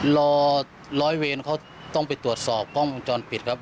รอร้อยเวรเขาต้องไปตรวจสอบกล้องวงจรปิดครับ